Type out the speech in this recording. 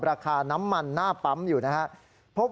ราคาน้ำมันหน้าปั๊มอยู่นะครับ